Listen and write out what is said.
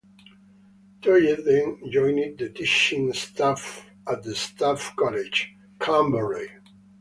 Toye then joined the teaching staff at the Staff College, Camberley.